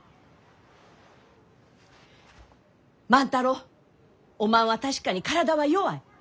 万太郎おまんは確かに体は弱い。